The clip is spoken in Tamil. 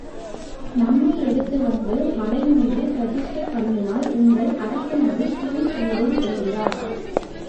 நம்மை எடுத்து வந்து மலை மீது பிரதிஷ்டை பண்ணினால், உங்கள் அரசனது பிணீ தீரும் என்கிறார்.